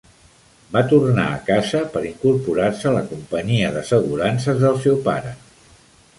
Va tornar a casa per incorporar-se a la companyia d'assegurances del seu pare.